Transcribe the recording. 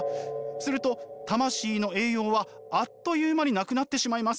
すると魂の栄養はあっという間になくなってしまいます。